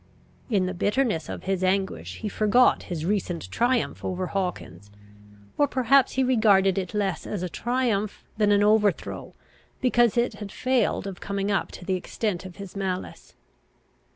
[In the bitterness of his anguish, he forgot his recent triumph over Hawkins, or perhaps he regarded it less as a triumph, than an overthrow, because it had failed of coming up to the extent of his malice.